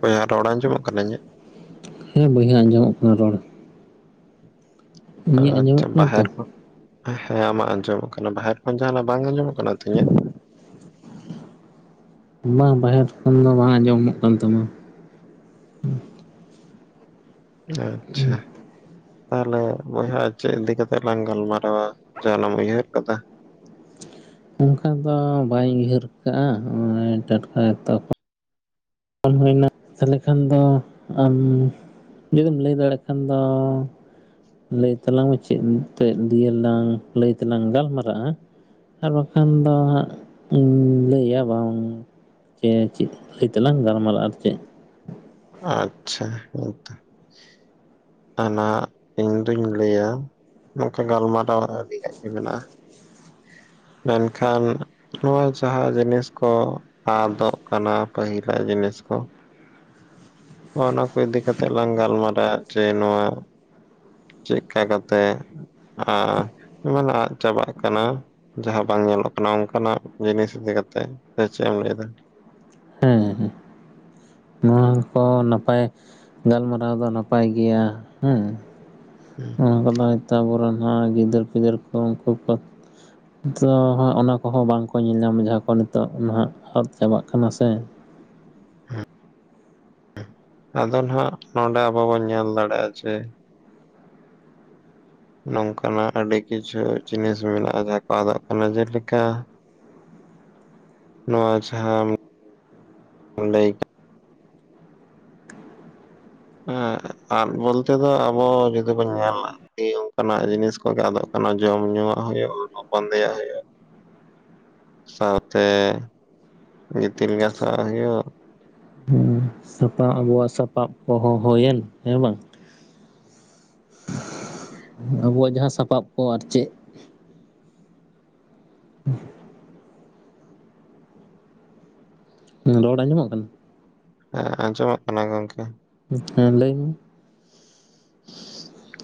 ᱵᱚᱭᱦᱟ ᱨᱚᱲ ᱟᱸᱡᱚᱢᱚᱜ ᱠᱟᱹᱱᱟ ᱤᱧᱟᱹᱜ? ᱦᱮᱸ, ᱵᱚᱭᱦᱟ ᱟᱸᱡᱚᱢᱚᱜ ᱠᱟᱱᱟ ᱨᱚᱲ। ᱤᱧᱟᱹᱜ ᱟᱸᱡᱚᱢᱚᱜ ᱟᱪᱪᱷᱟ ᱠᱟᱱᱟ ᱛᱚ ᱵᱟᱦᱮᱨ ᱠᱷᱚᱱ, ᱦᱮᱸ ᱟᱢᱟᱜ ᱟᱸᱡᱚᱢᱚᱜ ᱠᱟᱱᱟ, ᱵᱟᱦᱮᱨ ᱠᱷᱚᱱ ᱡᱟᱦᱟᱱᱟᱜ ᱵᱟᱝ ᱟᱸᱡᱚᱢᱚᱜ ᱠᱟᱱᱟ ᱛᱚ ᱤᱧᱟᱹᱜ? ᱵᱟᱝ ᱵᱟᱦᱮᱨ ᱠᱷᱚᱱ ᱫᱚ ᱵᱟᱝ ᱟᱸᱡᱚᱢᱚᱜ ᱠᱟᱱ ᱛᱟᱢᱟ। ᱟᱪᱪᱷᱟ। ᱛᱟᱦᱚᱞᱮ ᱵᱚᱭᱦᱟ ᱪᱮᱜ ᱤᱫᱤ ᱠᱟᱛᱮᱜ ᱞᱟᱝ ᱜᱟᱞᱢᱟᱨᱟᱣᱟ, ᱡᱟᱦᱟᱱᱟᱜ ᱮᱢ ᱩᱭᱦᱟᱹᱨ ᱠᱟᱫᱟ? ᱚᱱᱠᱟ ᱫᱚ ᱵᱟᱹᱧ ᱩᱭᱦᱟᱹᱨ ᱠᱟᱜᱼᱟ ᱴᱟᱴᱠᱟ ᱡᱚᱛᱚ ᱠᱷᱚᱱ ᱵᱟᱝ ᱦᱩᱭᱱᱟ ᱛᱟᱦᱚᱞᱮ ᱠᱷᱟᱱ ᱫᱚ ᱟᱢ ᱡᱩᱫᱤᱢ ᱞᱟᱹᱭ ᱫᱟᱲᱮᱜ ᱠᱷᱟᱱ ᱫᱚ᱾ ᱞᱟᱹᱭ ᱛᱟᱞᱟᱝ ᱢᱮ ᱪᱮᱫ ᱛᱮᱫ ᱫᱤᱭᱮᱞᱟᱝ ᱞᱟᱹᱭ ᱛᱮᱟᱞᱟᱝ ᱜᱟᱞᱢᱟᱨᱟᱜ-ᱟ᱾ ᱟᱨ ᱵᱟᱠᱷᱟᱱ ᱫᱚ ᱦᱟᱸᱜ ᱤᱧ ᱞᱟᱹᱭᱟ ᱵᱟᱝ᱾ ᱡᱮ ᱪᱮᱫ ᱞᱟᱹᱭ ᱛᱮᱞᱟᱝ ᱜᱟᱞᱢᱟᱨᱟᱜᱼᱟ ᱟᱨ ᱪᱮᱫ᱾ ᱟᱪᱪᱷᱟ, ᱦᱮᱸᱛᱚ᱾ ᱚᱱᱟ ᱤᱧ ᱫᱩᱧ ᱞᱟᱹᱭᱟ, ᱱᱚᱝᱠᱟ ᱜᱟᱞᱢᱟᱨᱟᱣ ᱟᱹᱰᱤ ᱜᱟᱱ ᱜᱮ ᱢᱮᱱᱟᱜ-ᱟ᱾ ᱢᱮᱱᱠᱷᱟᱱ ᱱᱚᱣᱟ ᱡᱟᱦᱟᱸ ᱡᱤᱱᱤᱥ ᱠᱚ ᱟᱫᱚᱜ ᱠᱟᱱᱟ ᱯᱟᱦᱤᱞᱟᱜ ᱡᱤᱱᱤᱥ ᱠᱚ᱾ ᱚᱱᱟ ᱠᱚ ᱤᱫᱤ ᱠᱟᱛᱮᱜ ᱞᱟᱝ ᱜᱟᱞᱢᱟᱨᱟᱣᱟ, ᱡᱮ ᱱᱚᱣᱟ ᱪᱮᱠᱠᱟ ᱠᱟᱛᱮᱜ, ᱢᱟᱱᱮ ᱟᱫᱽ ᱪᱟᱵᱟᱜ ᱠᱟᱱᱟ᱾ ᱡᱟᱦᱟᱸ ᱵᱟᱝ ᱧᱮᱞᱚᱜ ᱠᱟᱱᱟ ᱚᱝᱠᱟᱱᱟᱜ ᱡᱤᱱᱤᱥ ᱤᱫᱤ ᱠᱟᱛᱮᱜ, ᱥᱮ ᱪᱮᱫ ᱮᱢ ᱞᱟᱹᱭᱮᱫᱟ? ᱦᱮᱸ ᱦᱮᱸ᱾ ᱱᱚᱣᱟ ᱠᱚ ᱱᱟᱯᱟᱭ ᱜᱟᱞᱢᱟᱨᱟᱣ ᱫᱚ ᱱᱟᱯᱟᱭ ᱜᱮᱭᱟ ᱦᱮᱸ᱾ [inaudible] ᱚᱱᱟ ᱠᱚᱫᱚ ᱡᱷᱚᱛᱚ ᱟᱵᱚᱨᱮᱱ ᱦᱚᱸ ᱜᱤᱫᱟᱹᱨ ᱯᱤᱫᱟᱹᱨ ᱠᱚ ᱩᱱᱠᱩ ᱠᱚ ᱱᱤᱛᱚᱜ ᱦᱟᱸᱜ ᱚᱱᱟ ᱠᱚᱦᱚᱸ ᱵᱟᱝᱠᱚ ᱧᱮᱞ ᱧᱟᱢᱮᱜ ᱟᱠᱚ ᱱᱤᱛᱚᱜ ᱱᱟᱦᱟᱜ ᱟᱫ ᱪᱟᱵᱟᱜ ᱠᱟᱱᱟ ᱥᱮ᱾ ᱟᱫᱚ ᱱᱟᱦᱟᱜ ᱱᱚᱸᱰᱮ ᱟᱵᱚ ᱵᱚᱱ ᱧᱮᱞ ᱫᱟᱲᱮᱭᱟᱜ-ᱟ, ᱡᱮ ᱱᱚᱝᱠᱟᱱᱟᱜ ᱟᱹᱰᱤ ᱠᱤᱪᱷᱩ ᱡᱤᱱᱤᱥ ᱢᱮᱱᱟᱜᱼᱟ ᱡᱟᱦᱟᱸ ᱠᱚ ᱟᱫᱚᱜ ᱠᱟᱱᱟ᱾ ᱡᱮᱞᱮᱠᱟ ᱱᱚᱣᱟ ᱡᱟᱦᱟᱢ ᱞᱟᱹᱭ ᱠᱮᱫ᱾ ᱦᱮᱸ, ᱟᱱ ᱵᱚᱞᱛᱮ ᱫᱚ ᱟᱵᱚ ᱡᱩᱫᱤ ᱵᱚᱱ ᱧᱮᱞᱟ᱾ ᱚᱱᱠᱟᱱᱟᱜ ᱡᱤᱱᱤᱥ ᱠᱚᱜᱮ ᱟᱫᱚᱜ ᱠᱟᱱᱟ, ᱡᱚᱢ ᱧᱩᱣᱟᱜ ᱦᱩᱭᱩᱜ ᱵᱟᱸᱫᱮᱭᱟᱜ ᱦᱩᱭᱩᱜ-ᱟ᱾ [inaudible] ᱥᱟᱶᱛᱮ, ᱜᱤᱛᱤᱞ ᱜᱟᱥᱟᱣᱟᱜ ᱦᱩᱭᱩᱜ᱾ ᱥᱟᱯᱟ ᱟᱵᱚᱣᱟᱜ ᱥᱟᱯᱟᱵ ᱠᱚᱦᱚᱸ ᱦᱳᱭᱮᱱ, ᱦᱮᱸ ᱵᱟᱝ? ᱟᱵᱚᱣᱟᱜ ᱡᱟᱦᱟᱸ ᱥᱟᱯᱟᱵ ᱠᱚ ᱟᱨ ᱪᱮᱜ᱾ ᱨᱚᱲ ᱟᱸᱡᱚᱢᱚᱜ ᱠᱟᱱᱟ? ᱦᱮᱸ, ᱟᱸᱡᱚᱢᱚᱜ ᱠᱟᱱᱟ ᱜᱚᱝᱠᱮ᱾ ᱦᱮᱸ ᱞᱟᱹᱭ ᱢᱮ᱾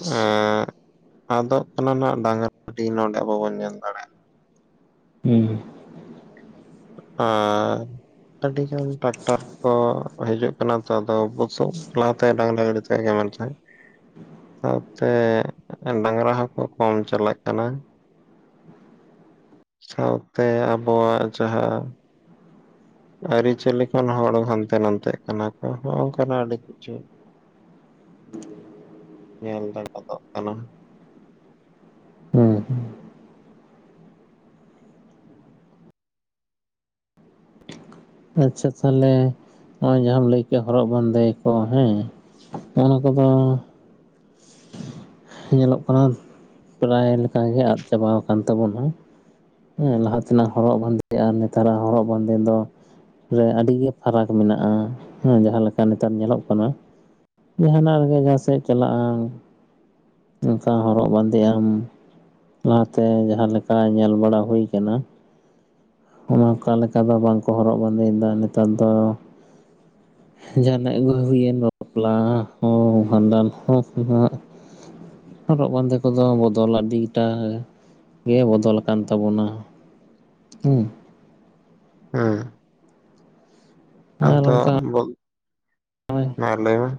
ᱮᱸ ᱟᱫᱚᱜ ᱠᱟᱱᱟ ᱱᱟᱦᱟᱜ ᱰᱟᱝᱨᱟ ᱟᱹᱴᱤ ᱱᱚᱰᱮ ᱟᱵᱚ ᱵᱚᱱ ᱧᱮᱞ ᱫᱟᱲᱮᱭᱟᱜ-ᱟ᱾ ᱦᱩᱸ᱾ ᱦᱚᱸ ᱟᱰᱤᱜᱟᱱ ᱴᱨᱟᱠᱴᱚᱨ ᱠᱚ ᱦᱤᱡᱩᱜ ᱠᱟᱱᱟ ᱛᱚ ᱟᱫᱚ ᱵᱩᱥᱩᱵᱽ ᱞᱟᱦᱟ ᱛᱮ ᱰᱟᱝᱨᱟ ᱜᱟᱹᱰᱤ ᱛᱟᱸᱦᱮ ᱠᱟᱱᱟ, ᱢᱮᱱᱠᱷᱟᱱ ᱥᱟᱶᱛᱮ, ᱰᱟᱝᱨᱟ ᱦᱚᱸᱠᱚ ᱠᱚᱢ ᱪᱟᱞᱟᱜ ᱠᱟᱱᱟ᱾ ᱥᱟᱶᱛᱮ ᱟᱵᱚᱣᱟᱜ ᱡᱟᱦᱟᱸ ᱟᱨᱤᱪᱟᱞᱤ ᱠᱷᱚᱱ ᱦᱚᱲ ᱦᱟᱱᱛᱮ ᱱᱟᱱᱛᱮᱜ ᱠᱟᱱᱟ ᱠᱚ ᱦᱚᱜ ᱚᱝᱠᱟᱱᱟᱜ ᱟᱹᱰᱤ ᱠᱤᱪᱷᱩ᱾ [inaudible] ᱧᱮᱞ [unintelligible] ᱠᱟᱱᱟ᱾ ᱦᱮᱸ ᱟᱪᱪᱷᱟ ᱪᱪᱷᱟ ᱛᱟᱦᱞᱮ ᱦᱚᱜ-ᱚᱭ ᱡᱟᱦᱟᱸᱟᱢ ᱞᱟᱹᱭ ᱠᱮᱜ-ᱟ ᱦᱚᱨᱚᱜ ᱵᱟᱸᱫᱮ ᱠᱚ ᱦᱮᱸ᱾ ᱚᱱᱟ ᱠᱚᱫᱚ ᱧᱮᱞᱚᱜ ᱠᱟᱱᱟ, ᱯᱨᱟᱭ ᱞᱮᱠᱟ ᱜᱮ ᱟᱫ ᱪᱟᱵᱟᱣ ᱠᱟᱱ ᱛᱟᱵᱚᱱᱟ᱾ ᱦᱮᱸ ᱞᱟᱦᱟ ᱛᱮᱱᱟᱜ ᱦᱚᱨᱚᱜ ᱵᱟᱸᱫᱮ ᱟᱨ ᱱᱮᱛᱟᱨᱟᱜ ᱦᱚᱨᱚᱜ ᱵᱟᱸᱫᱮ ᱫᱚ ᱨᱮ ᱟᱹᱰᱤ ᱜᱮ ᱯᱷᱟᱨᱟᱠ ᱢᱮᱱᱟᱜᱼᱟ᱾ ᱦᱮᱸ ᱡᱟᱦᱟᱸ ᱞᱮᱠᱟ ᱱᱮᱛᱟᱨ ᱧᱮᱞᱚᱜ ᱠᱟᱱᱟ᱾ ᱡᱟᱦᱟᱱᱟᱜ ᱨᱮᱜᱮ ᱡᱟᱦᱟᱸ ᱥᱮᱫᱼᱮ ᱪᱟᱞᱟᱜᱼᱟ᱾ ᱚᱱᱠᱟ ᱦᱚᱨᱚᱜ ᱵᱟᱸᱫᱮ ᱟᱢ, ᱞᱟᱦᱟᱛᱮ ᱡᱟᱦᱟᱸ ᱞᱮᱠᱟ ᱧᱮᱞ ᱵᱟᱲᱟ ᱦᱩᱭ ᱠᱟᱱᱟ᱾ ᱚᱱᱟ ᱚᱱᱠᱟ ᱞᱮᱠᱟ ᱫᱚ ᱵᱟᱝ ᱠᱚ ᱦᱚᱨᱚᱜ ᱵᱟᱸᱫᱮᱭ ᱮᱫᱟ ᱱᱮᱛᱟᱨ ᱫᱚ᱾ ᱡᱟᱦᱟᱱᱟᱜ ᱜᱮ ᱦᱩᱭᱮᱱ ᱵᱟᱯᱞᱟ ᱦᱚᱸ, ᱵᱷᱟᱸᱰᱟᱱ ᱦᱚᱸ ᱦᱚᱨᱚᱜ ᱵᱟᱸᱫᱮ ᱠᱚᱫᱚ ᱵᱚᱫᱚᱞ ᱟᱹᱰᱤᱴᱟᱜ ᱜᱮ ᱵᱚᱫᱚᱞ ᱟᱠᱟᱱ ᱛᱟᱵᱚᱱᱟ᱾ ᱦᱩᱸ᱾ ᱦᱮᱸ᱾ ᱟᱨ ᱟᱫᱚ ᱚᱱᱠᱟ ᱵᱚ ᱢᱟ ᱞᱟᱹᱭ ᱢᱮ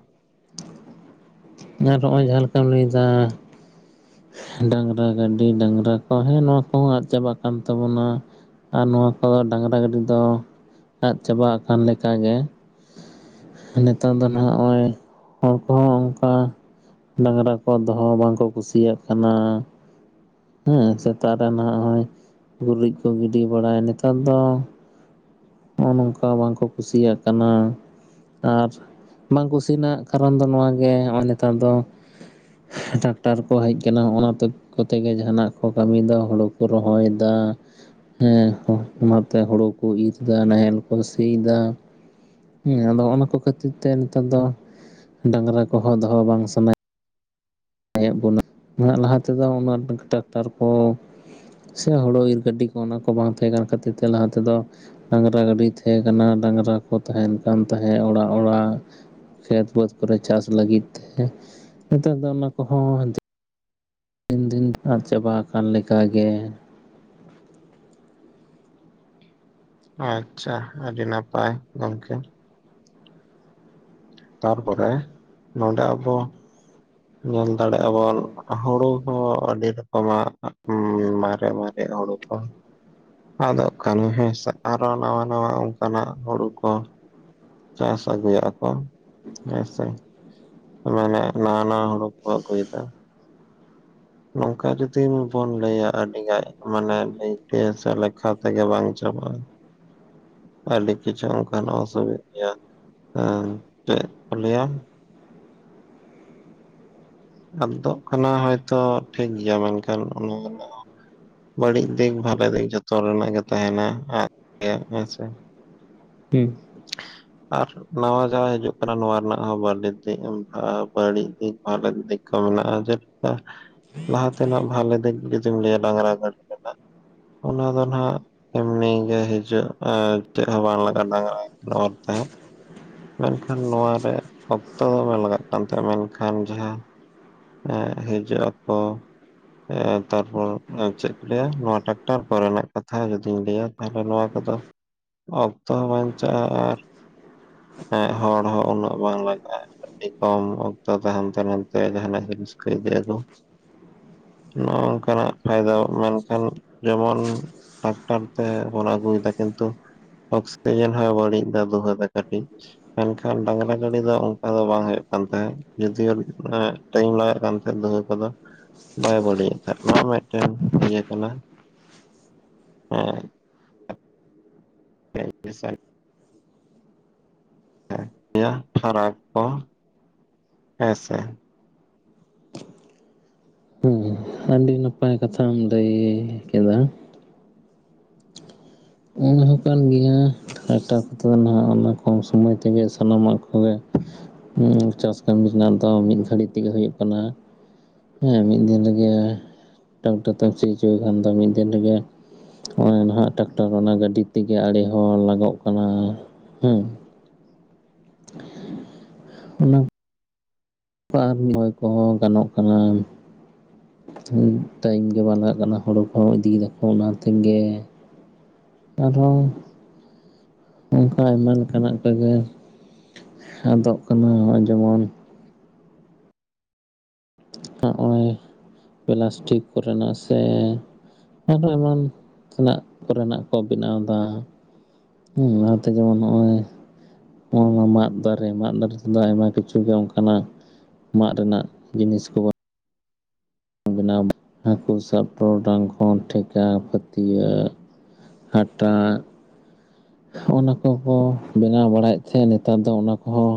ᱟᱨ ᱱᱚᱜᱼᱚᱭ ᱡᱟᱦᱟᱸ ᱞᱮᱠᱟᱢ ᱞᱟᱹᱭ ᱮᱫᱟ᱾ ᱰᱟᱝᱜᱽᱨᱟ ᱜᱟᱹᱰᱤ, ᱰᱟᱝᱜᱽᱨᱟ ᱠᱚ ᱦᱮᱸ ᱱᱚᱣᱟ ᱠᱚᱦᱚᱸ ᱟᱫ ᱪᱟᱵᱟᱜ ᱠᱟᱱ ᱛᱟᱵᱚᱱᱟ᱾ ᱟᱨ ᱱᱚᱣᱟ ᱠᱚᱫᱚ ᱰᱟᱹᱝᱜᱽᱨᱟ ᱜᱟᱹᱰᱤ ᱫᱚ ᱟᱫ ᱪᱟᱵᱟ ᱠᱟᱱ ᱞᱮᱠᱟ ᱜᱮ ᱱᱤᱛᱚᱜ ᱫᱚ ᱱᱷᱟᱜ ᱱᱚᱜᱼᱚᱭ ᱩᱱᱠᱩ ᱠᱚᱦᱚᱸ ᱚᱱᱠᱟ ᱰᱟᱝᱜᱽᱨᱟ ᱠᱚ ᱫᱚᱦᱚ ᱦᱚᱸ ᱵᱟᱝᱠᱚ ᱠᱩᱥᱤᱭᱟᱜ ᱠᱟᱱᱟ᱾ ᱦᱮᱸ ᱥᱮᱛᱟᱜ ᱨᱮ ᱱᱷᱟᱜ ᱦᱚᱸᱭᱼᱚᱭ ᱜᱩᱨᱤᱡ ᱠᱚ ᱜᱤᱰᱤ ᱵᱟᱲᱟᱭ ᱱᱮᱛᱟᱨ ᱫᱚ ᱱᱚᱜᱼᱚᱭ ᱱᱚᱝᱠᱟ ᱵᱟᱝ ᱠᱚ ᱠᱩᱥᱤᱭᱟᱜ ᱠᱟᱱᱟ᱾ ᱟᱨ ᱵᱟᱝ ᱠᱩᱥᱤᱱᱟᱜ ᱠᱟᱨᱚᱱ ᱫᱚ ᱱᱚᱣᱟᱜᱮ ᱱᱚᱜᱼᱚᱭ ᱱᱮᱛᱟᱨ ᱫᱚ ᱴᱟᱠᱴᱟᱨ ᱠᱚ ᱦᱮᱡ ᱠᱟᱱᱟ, ᱚᱱᱟᱛᱮ ᱠᱚᱛᱮ ᱜᱮ ᱡᱟᱦᱟᱱᱟᱜ ᱠᱚ ᱠᱟᱹᱢᱤ ᱮᱫᱟ, ᱦᱳᱲᱳ ᱠᱚ ᱨᱚᱦᱚᱭ ᱮᱫᱟ᱾ ᱦᱮᱸ, ᱚᱱᱟ ᱛᱮ ᱦᱩᱲᱩ ᱠᱚ ᱤᱨ ᱮᱫᱟ, ᱱᱟᱦᱮᱞ ᱠᱚ ᱥᱤ ᱮᱫᱟ᱾ ᱦᱮᱸ, ᱟᱫᱚ ᱚᱱᱟ ᱠᱚ ᱠᱷᱟᱹᱛᱤᱨ ᱛᱮ ᱱᱮᱛᱟᱨ ᱫᱚ ᱰᱟᱝᱜᱽᱨᱟ ᱠᱚᱦᱚᱸ ᱫᱚᱦᱚ ᱵᱟᱝ ᱥᱟᱱᱟᱭ ᱮᱫ ᱵᱚᱱᱟ᱾ ᱞᱟᱦᱟ ᱛᱮᱫᱚ ᱩᱱᱟᱹ ᱴᱟᱠᱴᱟᱨ ᱠᱚ ᱥᱮ ᱦᱳᱲᱳ ᱤᱨ ᱜᱟᱹᱰᱤ ᱠᱚ, ᱚᱱᱟ ᱠᱚ ᱵᱟᱝ ᱛᱟᱦᱮᱸ ᱠᱟᱱ ᱠᱷᱟᱹᱛᱤᱨ ᱛᱮ ᱞᱟᱦᱟ ᱛᱮᱫᱚ ᱰᱟᱝᱜᱽᱨᱟ ᱜᱟᱹᱰᱤ ᱛᱟᱦᱮᱸ ᱠᱟᱱᱟ, ᱰᱟᱝᱜᱽᱨᱟ ᱠᱚ ᱛᱟᱦᱮᱱ ᱠᱟᱱ ᱛᱟᱦᱮᱸᱫ ᱚᱲᱟᱜ ᱚᱲᱟᱜ ᱠᱷᱮᱛ ᱵᱟᱹᱫᱽ ᱠᱚᱨᱮ ᱪᱟᱥ ᱞᱟᱹᱜᱤᱫ ᱛᱮ ᱱᱮᱛᱟᱨ ᱫᱚ ᱚᱱᱟ ᱠᱚᱦᱚᱸ ᱫᱤᱱ ᱫᱤᱱ ᱟᱫ ᱪᱟᱵᱟ ᱟᱠᱟᱱ ᱞᱮᱠᱟ ᱜᱮ ᱟᱪᱪᱷᱟ, ᱟᱹᱰᱤ ᱱᱟᱯᱟᱭ ᱜᱚᱝᱠᱮ᱾ ᱛᱟᱨᱯᱚᱨᱮ ᱱᱚᱰᱮ ᱟᱵᱚ ᱧᱮᱞ ᱫᱟᱲᱮᱭᱟᱜ ᱵᱚᱱ ᱦᱩᱲᱩ ᱦᱚᱸ ᱟᱹᱰᱤ ᱨᱚᱠᱚᱢᱟᱜ ᱢᱟᱨᱮ-ᱢᱟᱨᱮ ᱦᱩᱲᱩ ᱚᱸ᱾ ᱟᱫᱽᱜ ᱠᱟᱱᱟ ᱦᱮᱸᱥᱮ᱾ ᱟᱨᱚ ᱱᱟᱣᱟ ᱱᱟᱣᱟ ᱚᱱᱠᱟᱱᱟᱜ ᱦᱩᱲᱩ ᱠᱚ ᱪᱟᱥ ᱟᱜᱩᱭᱟᱜ ᱠᱚ᱾ ᱦᱮᱸᱥᱮ᱾ ᱢᱟᱱᱮ ᱱᱟᱣᱟ ᱱᱟᱣᱟ ᱦᱩᱲᱩ ᱠᱚ ᱟᱹᱜᱩᱭ ᱮᱫᱟ᱾ ᱱᱚᱝᱠᱟ ᱡᱩᱫᱤ ᱵᱚᱱ ᱞᱟᱹᱭᱟ ᱟᱹᱰᱤ ᱜᱟᱱ ᱢᱟᱱᱮ ᱞᱟᱹᱭ ᱛᱮ ᱥᱮ ᱞᱮᱠᱷᱟ ᱛᱮᱜᱮ ᱵᱟᱝ ᱪᱟᱵᱟᱜᱼᱟ᱾ [inaudible] ᱟᱹᱰᱤ ᱠᱤᱪᱷᱩ ᱚᱱᱠᱟᱱᱟᱜ ᱚᱥᱩᱵᱤᱫᱟ ᱜᱮᱭᱟ, ᱪᱮᱫ ᱠᱚ ᱞᱮᱭᱟ ᱟᱫᱽᱜ ᱠᱟᱱᱟ ᱦᱚᱭᱼᱛᱚ ᱴᱷᱤᱠ ᱜᱮᱭᱟ᱾ ᱢᱮᱱᱠᱷᱟᱱ ᱚᱱᱟ ᱫᱚ ᱵᱟᱹᱲᱤᱡ ᱫᱤᱠ ᱵᱷᱟᱞᱮ ᱫᱤᱠ ᱡᱚᱛᱚ ᱨᱮᱱᱟᱜ ᱜᱮ ᱛᱟᱦᱮᱱᱟ ᱟᱨ ᱦᱮᱸᱥᱮ ᱦᱮᱸ᱾ ᱟᱨ ᱱᱟᱣᱟ ᱡᱟᱦᱟᱸ ᱦᱤᱡᱩᱜ ᱠᱟᱱᱟ ᱱᱚᱣᱟ ᱨᱮᱱᱟᱜ ᱦᱚᱸ ᱵᱷᱟᱹᱞᱤ ᱫᱤᱠ ᱵᱟ ᱵᱟᱹᱲᱤᱡ ᱫᱤᱠ ᱵᱷᱟᱹᱞᱮ ᱫᱤᱠ ᱠᱚ ᱢᱮᱱᱟᱜᱼᱟ, ᱡᱮ ᱞᱟᱦᱟ ᱛᱮᱱᱟᱜ ᱵᱷᱟᱞᱮ ᱫᱤᱠ ᱡᱩᱫᱤᱢ ᱞᱟᱹᱭᱟ ᱰᱟᱝᱨᱟ ᱜᱟᱹᱰᱤ᱾ ᱚᱱᱟ ᱫᱚ ᱱᱟᱜ ᱮᱢᱱᱤ ᱜᱮ ᱦᱤᱡᱩᱜ ᱟ ᱪᱮᱫ ᱦᱚᱸ ᱵᱟᱝ ᱞᱟᱜᱟᱜᱼᱟ ᱰᱟᱝᱨᱟ᱾ ᱟᱨ ᱛᱮ ᱢᱮᱱᱠᱷᱟᱱ ᱱᱚᱣᱟᱨᱮ ᱚᱠᱛᱚ ᱫᱚ ᱵᱟᱝ ᱞᱟᱜᱟᱜ ᱠᱟᱱ ᱛᱟᱦᱮᱸᱱᱟ ᱢᱮᱱᱠᱷᱟᱱ ᱡᱟᱦᱟᱸ᱾ ᱮ ᱦᱤᱡᱩᱜ ᱟᱠᱚ᱾ ᱛᱟᱨᱯᱚᱨ ᱪᱮᱫ ᱠᱚ ᱞᱟᱹᱭᱼᱟ ᱱᱚᱣᱟ ᱴᱨᱟᱠᱴᱟᱨ ᱠᱚᱨᱮᱱᱟᱜ ᱠᱟᱛᱷᱟ ᱡᱩᱚᱫᱤᱧ ᱞᱟᱹᱭᱼᱟ᱾ ᱛᱟᱦᱚᱞᱮ ᱱᱚᱣᱟ ᱠᱚᱫᱚ ᱚᱠᱛᱚ ᱦᱚᱸ ᱵᱟᱧᱪᱟᱜᱼᱟ ᱟᱨ᱾ ᱮᱸ ᱦᱚᱲ ᱦᱚᱸ ᱩᱱᱟᱹᱜ ᱵᱟᱝ ᱞᱟᱜᱟᱜᱼᱟ᱾ ᱟᱹᱰᱤ ᱠᱚᱢ ᱚᱠᱛᱚ ᱛᱟᱦᱮᱸ ᱦᱟᱱᱛᱮ ᱱᱟᱛᱮ ᱡᱟᱦᱟᱱᱟᱜ ᱡᱤᱢᱤᱥᱠᱚ ᱹ ᱤᱫᱤ ᱟᱜᱩ᱾ ᱱᱚᱜ ᱱᱚᱝᱠᱟ ᱱᱟᱜ ᱯᱷᱟᱭᱫᱟ ᱢᱮᱱᱠᱷᱟᱱ ᱡᱮᱢᱚᱱ᱾ ᱴᱨᱟᱠᱴᱟᱨ ᱛᱮᱵᱚᱱ ᱟᱹᱜᱩᱭᱮᱫᱟ ᱠᱤᱱᱛᱩ ᱚᱠᱥᱤᱡᱮᱱ ᱦᱚᱸᱭ ᱵᱟᱹᱲᱤᱡ ᱫᱟ ᱫᱩᱣᱟᱹ ᱫᱟᱠᱟ᱾ ᱢᱮᱱᱠᱷᱟᱱ ᱰᱟᱝᱨᱟ ᱜᱟᱹᱰᱤ ᱫᱚ ᱚᱱᱠᱟ ᱫᱚ ᱵᱟᱝ ᱦᱩᱭᱩᱜ ᱠᱟᱱ ᱛᱟᱦᱮᱸᱫ ᱡᱩᱫᱤᱭᱳ᱾ ᱴᱟᱭᱤᱢ ᱞᱟᱜᱟᱜ ᱠᱟᱱ ᱛᱟᱦᱮᱸᱱᱟ ᱫᱚᱩᱦᱟᱹ ᱠᱚᱫᱚ᱾ ᱵᱟᱭ ᱵᱟᱹᱲᱤᱡᱮᱫ ᱠᱟᱜ ᱱᱚᱣᱟ ᱢᱤᱫᱴᱮᱱ ᱤᱭᱟᱹ ᱠᱟᱱᱟ ᱮ᱾ [unintelligible] ᱯᱷᱟᱨᱟᱠ ᱠᱚ ᱦᱮᱥᱮ᱾ ᱦᱮᱸ ᱟᱹᱰᱤ ᱱᱟᱯᱟᱭ ᱠᱟᱛᱷᱟᱢ ᱞᱟᱹᱭ ᱠᱮᱫᱟ᱾ ᱚᱱᱟᱦᱚ ᱠᱟᱱ ᱜᱮᱭᱟ ᱴᱨᱟᱠᱴᱟᱨ ᱠᱚᱛᱮ ᱫᱚ ᱱᱟᱦᱟᱜ ᱚᱱᱟ ᱠᱚᱢ ᱥᱚᱢᱚᱭ ᱛᱮᱜᱮ ᱥᱟᱱᱟᱢᱟᱜ ᱠᱚᱜᱮ᱾ ᱦᱩᱸᱼᱪᱟᱥ ᱠᱟᱹᱢᱤ ᱨᱮᱱᱟᱜ ᱫᱚ ᱢᱤᱫ ᱜᱷᱟᱹᱲᱤᱡ ᱛᱮᱜᱮ ᱦᱩᱭᱩᱜ ᱠᱟᱱᱟ᱾ ᱦᱮᱸ ᱢᱤᱫ ᱫᱤᱱ ᱨᱮᱜᱮ᱾ ᱴᱟᱠᱴᱟᱨ ᱛᱮᱢ ᱥᱤ ᱦᱚᱪᱚᱭᱮ ᱠᱷᱟᱱ ᱫᱚ ᱢᱤᱫ ᱫᱤᱱ ᱨᱮᱜᱮ ᱜᱮ ᱱᱟᱦᱟᱜ ᱴᱟᱠᱴᱟᱨ ᱚᱱᱟ ᱜᱟᱹᱰᱤ᱾ ᱛᱮᱜᱮ ᱚᱲᱮ ᱦᱚᱸ ᱞᱟᱜᱚᱜ ᱠᱟᱱᱟ ᱦᱩᱸ ᱚᱱᱟ ᱵᱟᱨ ᱢᱟᱹᱭ ᱠᱚᱦᱚᱸ ᱜᱟᱱᱚᱜ ᱠᱟᱱᱟ᱾ ᱴᱟᱭᱤᱢ ᱜᱮ ᱵᱟᱝ ᱞᱟᱜᱟᱜ ᱠᱟᱱᱟ ᱦᱩᱲᱩ ᱠᱚᱦᱚᱸ ᱤᱫᱤᱭ ᱫᱟᱠᱚ ᱚᱱᱟᱛᱮᱜᱮ᱾ ᱟᱨᱚ ᱱᱚᱝᱠᱟ ᱟᱭᱢᱟ ᱞᱮᱠᱟᱱᱟᱜ ᱠᱚᱜᱮ ᱟᱫᱚᱜ ᱠᱟᱱᱟ ᱱᱚᱜᱼᱚᱭ ᱡᱮᱢᱚᱱ᱾ ᱱᱚᱜᱼᱚᱭ ᱯᱞᱟᱥᱴᱤᱠ ᱠᱚᱨᱮᱱᱟᱜ ᱥᱮ᱾ ᱟᱨᱦᱚᱸ ᱮᱢᱟᱱ ᱛᱮᱱᱟᱜ ᱠᱚᱨᱮᱱᱟᱜ ᱠᱚ ᱵᱮᱱᱟᱣ ᱫᱟ᱾ ᱦᱮᱸ ᱚᱱᱟᱛᱮ ᱡᱮᱢᱚᱱ ᱱᱚᱜᱼᱚᱭ᱾ ᱱᱚᱣᱟ ᱢᱟᱫ ᱫᱟᱨᱮ ᱢᱟᱫ ᱫᱟᱨᱮ ᱛᱮᱫᱚ ᱟᱭᱢᱟ ᱠᱤᱪᱷᱩ ᱜᱮ ᱚᱱᱠᱟᱱᱟᱜ᱾ ᱢᱟᱫ ᱨᱮᱱᱟᱜ ᱡᱤᱱᱤᱥ ᱠᱚᱵᱚᱱ᱾ ᱵᱮᱱᱟᱣ ᱦᱟᱹᱠᱩ ᱥᱟᱵ ᱴᱚᱨᱚᱰᱟᱝ ᱠᱷᱚᱱ ᱴᱷᱮᱠᱟ ᱯᱷᱟᱹᱛᱤᱭᱟᱹᱜ᱾ ᱦᱟᱴᱟᱜ ᱚᱱᱟ ᱠᱚᱠᱚ ᱵᱮᱱᱟᱣ ᱵᱟᱲᱟᱭᱮᱫ ᱛᱟᱦᱮᱸ ᱱᱮᱛᱟᱨ ᱫᱚ ᱚᱱᱟ ᱠᱚᱦᱚᱸ᱾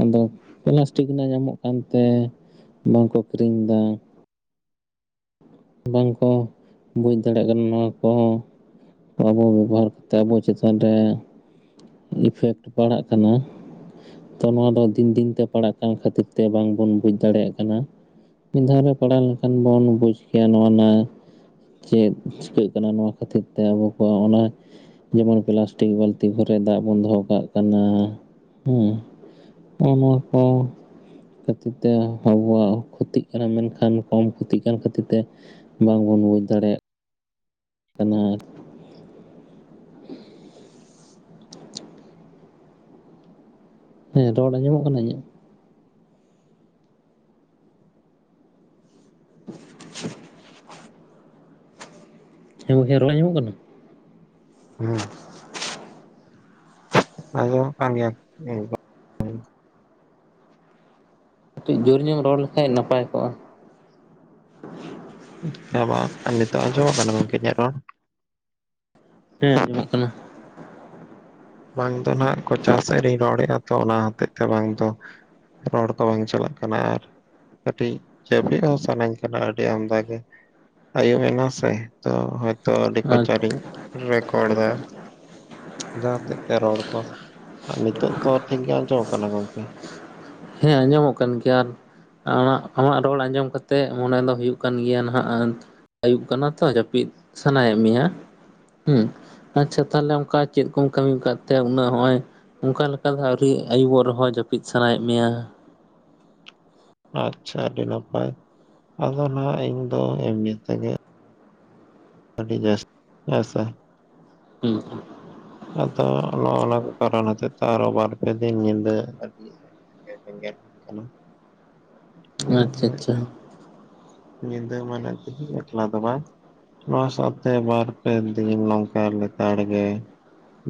ᱟᱫᱚ ᱯᱞᱟᱥᱴᱤᱠ ᱨᱮᱱᱟᱜ ᱧᱟᱢᱚᱜ ᱠᱟᱱᱛᱮ ᱵᱟᱝᱠᱚ ᱠᱤᱨᱤᱧ ᱮᱫᱟ᱾ ᱵᱟᱝᱠᱚ ᱵᱩᱡᱽ ᱫᱟᱲᱮᱭᱟᱜ ᱠᱟᱱᱟ ᱱᱚᱣᱟ ᱠᱚᱦᱚᱸ᱾ ᱟᱵᱚ ᱵᱮᱵᱚᱦᱟᱨ ᱠᱟᱛᱮᱫ ᱟᱵᱚ ᱪᱮᱛᱟᱱ ᱨᱮ᱾ ᱤᱯᱷᱮᱠᱴ ᱯᱟᱲᱟᱜ ᱠᱟᱱᱟ᱾ ᱛᱚ ᱱᱚᱣᱟ ᱫᱚ ᱫᱤᱱ ᱫᱤᱱ ᱛᱮ ᱯᱟᱲᱟᱜ ᱠᱟᱱ ᱠᱷᱟᱹᱛᱤᱨ ᱛᱮ ᱵᱟᱝ ᱵᱚᱱ ᱵᱩᱡᱽ ᱫᱟᱲᱮᱭᱟᱜ ᱠᱟᱱᱟ᱾ ᱢᱤᱫ ᱫᱷᱟᱣ ᱨᱮ ᱯᱟᱲᱟᱣ ᱞᱮᱱᱠᱷᱟᱱ ᱵᱚᱱ ᱵᱩᱡᱽ ᱠᱮᱭᱟ ᱱᱚᱣᱟ ᱱᱟᱜ᱾ ᱪᱮᱫ ᱪᱤᱠᱟᱹᱜ ᱠᱟᱱᱟ ᱱᱚᱣᱟ ᱠᱷᱟᱹᱛᱤᱨ ᱛᱮ ᱟᱵᱚ ᱠᱚᱣᱟᱜ ᱚᱱᱟ ᱡᱮᱢᱚᱱ ᱯᱞᱟᱥᱴᱤᱠ ᱵᱟᱞᱛᱤ᱾ ᱫᱟᱜ ᱵᱚᱱ ᱫᱚᱦᱚ ᱠᱟᱜ ᱠᱟᱱᱟ ᱦᱮᱸ ᱦᱚᱜ ᱱᱚᱣᱟ ᱠᱚ᱾ ᱠᱷᱟᱹᱛᱤᱨ ᱛᱮ ᱟᱵᱚᱣᱟᱜ ᱠᱷᱚᱛᱤᱜ ᱠᱟᱱᱟ ᱢᱮᱱᱠᱷᱟᱱ ᱠᱚᱢ ᱠᱷᱚᱛᱤᱜ ᱠᱟᱱ ᱠᱷᱟᱹᱛᱤᱨ ᱛᱮ᱾ ᱵᱟᱝᱵᱚᱱ ᱵᱩᱡᱽ ᱫᱟᱲᱮᱭᱟᱜ᱾ ᱠᱟᱱᱟ ᱟᱨ ᱦ [unintelligible] ᱦᱮᱸ ᱨᱚᱲ ᱟᱸᱡᱚᱢᱚᱜ ᱠᱟᱱᱟ ᱤᱧᱟᱹᱜ? [unintelligible] ᱦᱮᱸ ᱜᱚᱢᱠᱮ ᱨᱚᱲ ᱟᱡᱚᱢᱚᱜ ᱠᱟᱱᱟ? ᱦᱩᱸ᱾ ᱟᱡᱚᱢᱚᱜ ᱠᱟᱱ ᱜᱮᱭᱟ [unintelligible] ᱠᱟᱹᱴᱤᱡ ᱡᱳᱨ ᱧᱚᱜ ᱨᱚᱲ ᱞᱮᱠᱷᱟᱡ ᱱᱟᱯᱟᱭ ᱠᱚᱜᱼᱟ᱾ ᱦᱮ ᱵᱟᱝ ᱱᱤᱛᱚᱜ ᱟᱡᱚᱢᱚᱜ ᱠᱟᱱᱟ ᱜᱚᱢᱠᱮ ᱤᱧᱟ. ᱜ ᱨᱚᱲ? ᱦᱮᱸ ᱡᱚᱢᱚᱜ ᱠᱟᱱᱟ᱾ ᱵᱟᱝ ᱫᱚ ᱱᱟᱸᱜ ᱠᱚᱪᱟ ᱥᱮᱫ ᱨᱤᱧ ᱨᱚᱲᱮᱜᱼᱟ ᱛᱚ ᱚᱱᱟ ᱦᱚᱛᱮᱡ ᱛᱮ ᱵᱟᱝ ᱫᱚ ᱨᱚᱲ ᱠᱚ ᱵᱟᱝ ᱪᱟᱞᱟᱜ ᱠᱟᱱᱟ, ᱟᱨ ᱠᱟᱹᱴᱤᱡ ᱡᱟᱹᱯᱤᱫ ᱦᱚᱸ ᱥᱟᱱᱟᱧ ᱠᱟᱱᱟ ᱟᱹᱰᱤ ᱟᱢᱫᱟ ᱜᱮ᱾ ᱟᱭᱩᱵ ᱮᱱᱟ ᱥᱮ ᱛᱚ ᱦᱟᱭ ᱛᱚ ᱟᱹᱰᱤ ᱠᱚᱪᱟ ᱟᱪᱪᱷᱟ ᱨᱤᱧ ᱨᱮᱠᱚᱨᱰ ᱫᱟ ᱡᱟᱦᱟᱸᱛᱮ ᱨᱚᱲ ᱠᱚ ᱟᱨ ᱱᱤᱛᱚᱜ ᱛᱚ ᱴᱷᱤᱠ ᱜᱮ ᱟᱸᱡᱚᱢ ᱠᱟᱱᱟ ᱜᱚᱝᱠᱮ? ᱦᱮᱸ ᱟᱸᱡᱟᱢᱚᱜ ᱠᱟᱱ ᱜᱮᱭᱟ, ᱟᱨ ᱟᱢᱟᱜ ᱟᱢᱟᱜ ᱨᱚᱲ ᱟᱸᱡᱚᱢ ᱠᱟᱛᱮᱜ ᱢᱚᱱᱮ ᱫᱚ ᱦᱩᱭᱩᱜ ᱠᱟᱱ ᱜᱮᱭᱟ ᱱᱟᱦᱟᱸᱜ ᱟᱭᱩᱵ ᱠᱟᱱᱟ ᱛᱚ ᱡᱟᱹᱯᱤᱫ ᱥᱟᱱᱟᱭᱮᱫ ᱢᱮᱭᱟ ᱦᱩᱸ ᱟᱪᱪᱷᱟ ᱛᱟᱦᱚᱞᱮ ᱚᱱᱠᱟ ᱪᱮᱫ ᱠᱚᱢ ᱠᱟᱹᱢᱤ ᱠᱟᱫ ᱛᱮ ᱩᱱᱟᱹᱜ ᱱᱚᱸᱜᱼᱚᱭ ᱚᱱᱠᱟ ᱞᱮᱠᱟ ᱫᱚ ᱟᱹᱣᱨᱤ ᱟᱹᱭᱩᱵᱚᱜ ᱨᱮᱦᱚᱸ ᱡᱟᱹᱯᱤᱫ ᱥᱟᱱᱟᱭᱮᱫ ᱢᱮᱭᱟ? ᱟᱪᱪᱷᱟ ᱟᱹᱰᱤ ᱱᱟᱯᱟᱭ, ᱟᱫᱚ ᱱᱟᱦ ᱤᱧ ᱫᱚ ᱮᱢᱱᱤ ᱛᱮᱜᱮ ᱟᱹᱰᱤ ᱡᱟᱥ [inaudible] ᱦᱮᱸᱥᱮ ᱦᱩᱸ᱾ ᱟᱫᱚ ᱱᱚᱜ-ᱱᱟ ᱠᱚ ᱠᱟᱨᱚᱱ ᱦᱚᱛᱮᱡ ᱛᱮ ᱟᱨᱚ ᱵᱟᱨ ᱯᱮ ᱫᱤᱱ ᱧᱤᱫᱟᱹ ᱟᱰᱤ [unintelligible] ᱠᱟᱱᱟ, ᱦᱮᱸ ᱱᱚᱣᱟ ᱦᱚᱸ ᱟᱪᱪᱷᱟ ᱟᱪᱪᱷᱟ ᱢᱤᱫᱴᱮᱱ ᱧᱤᱫᱟᱹ ᱢᱮᱱᱟᱜ ᱛᱮᱦᱤᱧ ᱮᱠᱞᱟ ᱫᱚ ᱵᱟᱝ, ᱱᱚᱣᱟ ᱥᱟᱣᱛᱮ ᱵᱟᱨ ᱯᱮ ᱫᱤᱱ ᱱᱚᱝᱠᱟ ᱞᱮᱛᱟᱲ ᱜᱮ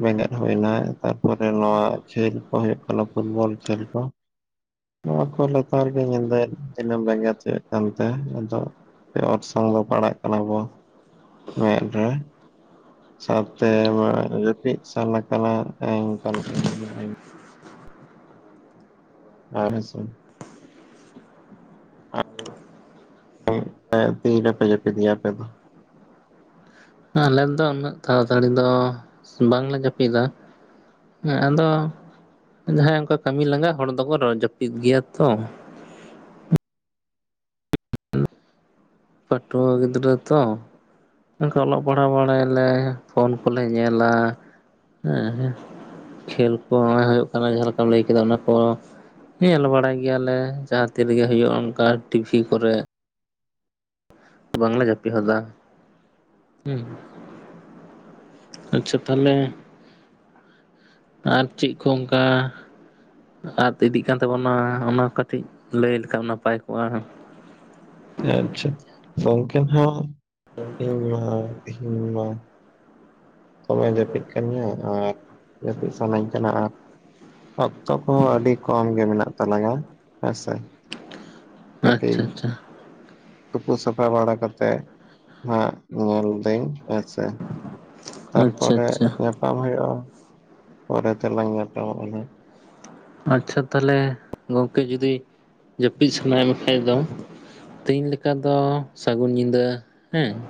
ᱵᱮᱸᱜᱮᱫ ᱦᱩᱭᱱᱟ ᱛᱟᱨᱯᱚᱨᱮ ᱱᱚᱣᱟ ᱠᱷᱮᱞ ᱠᱚ ᱦᱩᱭᱩᱜ ᱠᱟᱱᱟ ᱯᱷᱩᱴᱵᱚᱞ ᱠᱷᱮᱞ ᱠᱚ, ᱱᱚᱣᱟ ᱠᱚ ᱞᱮᱛᱟᱨ ᱜᱮ ᱧᱤᱫᱟᱹ ᱫᱱᱟᱹᱢ ᱵᱮᱸᱜᱮᱫ ᱦᱚᱪᱚᱭᱮᱫ ᱠᱟᱱ ᱛᱮ ᱟᱫᱚ ᱪᱮᱫ ᱚᱨᱥᱚᱝ ᱫᱚ ᱯᱟᱲᱟᱜ ᱠᱟᱱᱟ ᱵᱚ ᱢᱮᱫ ᱨᱮ ᱥᱟᱶᱛᱮ ᱡᱟᱹᱯᱤᱫ ᱥᱟᱱᱟ ᱠᱟᱱᱟ [unintelligible] ᱟᱨ ᱦᱮᱸᱥᱮ [unintelligible] ᱛᱤᱨᱮᱯᱮ ᱡᱟᱹᱯᱤᱫ ᱜᱮᱭᱟ ᱟᱯᱮ ᱫᱚ? ᱟᱞᱮ ᱫᱚ ᱩᱱᱟᱹᱜ ᱛᱟᱲᱟᱛᱟᱹᱲᱤ ᱫᱚ ᱵᱟᱝᱞᱮ ᱡᱟᱹᱯᱤᱫᱟ ᱾ ᱦᱮᱸ ᱟᱫᱚ ᱡᱟᱦᱟᱸᱭ ᱚᱱᱠᱟ ᱠᱟᱹᱢᱤ ᱞᱟᱸᱜᱟ ᱦᱚᱲ ᱫᱚᱠᱚ ᱡᱟᱹᱯᱤᱫ ᱜᱮᱭᱟ ᱛᱚ ᱾ ᱯᱟᱴᱷᱩᱣᱟᱹ ᱜᱤᱫᱽᱨᱟᱹ ᱛᱚ, ᱚᱱᱠᱟ ᱚᱞᱚᱜ ᱯᱟᱲᱦᱟᱣ ᱵᱟᱲᱟᱭᱟᱞᱮ ᱯᱷᱳᱱ ᱠᱚᱞᱮ ᱧᱮᱞᱟ ᱦᱮᱸ, ᱠᱷᱮᱞ ᱠᱚ ᱦᱩᱭᱩᱜ ᱠᱟᱱᱟ ᱡᱟᱦᱟᱸ ᱞᱮᱠᱟᱢ ᱞᱟᱹᱭ ᱠᱮᱫᱟ ᱚᱱᱟ ᱠᱚ ᱧᱮᱞ ᱵᱟᱲᱟᱭ ᱜᱮᱭᱟᱞᱮ ᱡᱟᱦᱟᱸ ᱛᱤᱨᱮᱜᱮ ᱦᱩᱭᱩᱜᱼᱟ ᱚᱱᱠᱟ ᱴᱤᱵᱷᱤ ᱠᱚᱨᱮ, ᱵᱟᱝᱞᱮ ᱡᱟᱹᱯᱤᱫ ᱦᱚᱫᱟ ᱦᱩᱸ᱾ ᱟᱪᱪᱷᱟ ᱛᱟᱦᱚᱞᱮ ᱟᱨ ᱪᱤᱜ ᱠᱩ ᱚᱝᱠᱟ ᱟᱫ ᱤᱫᱤᱜ ᱠᱟᱱ ᱛᱟᱵᱚᱱᱟ ᱚᱱᱟ ᱠᱟᱹᱴᱤᱡ ᱞᱟᱹᱭ ᱞᱮᱠᱷᱟᱱ ᱱᱟᱯᱟᱭ ᱠᱚᱜᱼᱟ᱾ ᱟᱪᱪᱷᱟ ᱜᱚᱢᱠᱮ ᱦᱟᱸᱜ ᱤᱧᱢᱟ ᱤᱧᱢᱟ ᱫᱚᱢᱮ ᱡᱟᱹᱯᱤᱫ ᱠᱟᱱᱜᱮᱭᱟ ᱟᱨ ᱡᱟᱹᱯᱤᱫ ᱥᱟᱱᱟᱧ ᱠᱟᱱᱟ ᱟᱨ ᱚᱠᱛᱚ ᱠᱚᱦᱚᱸ ᱟᱹᱰᱤ ᱠᱚᱢ ᱜᱮ ᱢᱮᱱᱟᱜ ᱛᱟᱞᱟᱝᱟ, ᱦᱮᱸᱥᱮ ᱾ ᱠᱟᱹᱴᱤᱡ ᱟᱪᱪᱷᱟ ᱟᱪᱪᱷᱟ ᱛᱩᱯᱩ ᱥᱟᱯᱷᱟ ᱵᱟᱲᱟ ᱠᱟᱛᱮᱜ ᱦᱟᱸᱜ ᱧᱮᱞ ᱫᱟᱹᱧ ᱾ ᱟᱪᱪᱷᱟ ᱟᱪᱪᱷᱟ ᱛᱟᱨᱯᱚᱨᱮ ᱟᱪᱪᱷᱟ ᱧᱟᱯ ᱯᱟᱢ ᱦᱩᱭᱩᱜᱼᱟ, ᱯᱚᱨᱮ ᱛᱮᱞᱟᱝ ᱧᱟᱯᱟᱢᱚᱜᱼᱟ ᱱᱟᱜ ᱾ ᱟᱪᱪᱷᱟ ᱛᱟᱦᱚᱞᱮ ᱜᱚᱝᱠᱮ ᱡᱩᱫᱤ ᱡᱟᱯᱤᱫ ᱥᱟᱱᱟᱭᱮᱜ ᱢᱮᱠᱷᱟᱡ ᱫᱚ ᱛᱤᱦᱤᱧ ᱞᱮᱠᱟ ᱫᱚ ᱥᱟᱹᱜᱩᱱ ᱧᱤᱫᱟᱹ ᱦᱮᱸ ᱾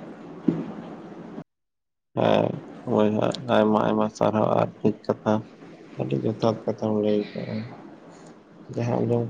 ᱦᱮᱸ ᱦᱳᱭ ᱟᱨ ᱟᱭᱢᱟ ᱟᱭᱢᱟ ᱥᱟᱨᱦᱟᱣ ᱟᱨ ᱴᱷᱤᱠ ᱠᱟᱛᱷᱟ ᱾ ᱟᱹᱰᱤ ᱡᱚᱛᱷᱟᱛ ᱠᱟᱛᱷᱟᱢ ᱞᱟᱹᱭ ᱟᱠᱟᱜᱼᱟ, ᱡᱟᱦᱟᱸ ᱟᱸᱡᱚᱢ ᱠᱟᱛᱮ